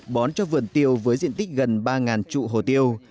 bón cho vườn tiêu với diện tích gần ba trụ hồ tiêu